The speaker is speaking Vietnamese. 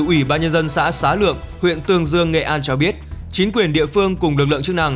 ủy ba nhân dân xã xá lượng huyện tương dương nghệ an cho biết chính quyền địa phương cùng lực